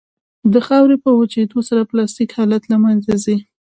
د خاورې په وچېدو سره پلاستیک حالت له منځه ځي